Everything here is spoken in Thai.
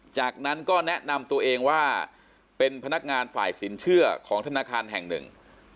จากนั้นก็แนะนำตัวเองว่าเป็นพนักงานฝ่ายสินเชื่อของธนาคารแห่งหนึ่ง